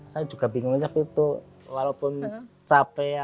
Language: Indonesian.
saya juga bingungnya tapi itu walaupun capek ya